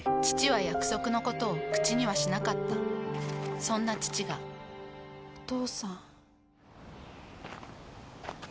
父は約束のことを口にはしなかったそんな父がお父さん。